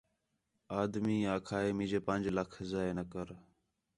آدمی آکھا ہِے مینجے پنڄ لکھ ضائع نہ کر